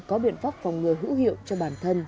có biện pháp phòng ngừa hữu hiệu cho bản thân